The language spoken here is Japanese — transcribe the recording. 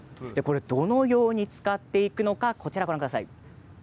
どのように使っているのかご覧ください。